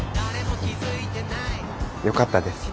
よかったです。